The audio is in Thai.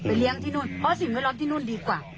เลี้ยงที่นู่นเพราะสิ่งแวดล้อมที่นู่นดีกว่า